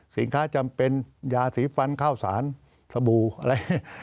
สินค้าจำเป็นยาสีฟันเข้าสารสบู่อะไร